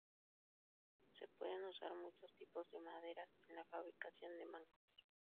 Se pueden usar muchos tipos de maderas en la fabricación de mangos.